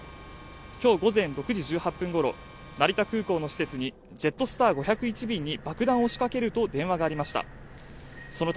今日午前６時１８分ごろ成田空港の施設にジェットスター５０１便に爆弾を仕掛けると電話がありました